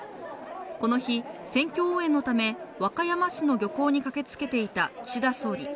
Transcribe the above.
この日、選挙応援のため和歌山市の漁港に駆けつけていた岸田総理。